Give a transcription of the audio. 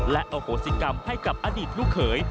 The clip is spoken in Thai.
และอโหสิกรรมให้กับอดีตลูกเขย